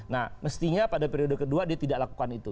nah mestinya pada periode kedua dia tidak lakukan itu